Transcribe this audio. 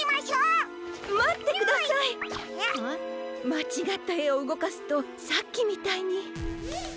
まちがったえをうごかすとさっきみたいに。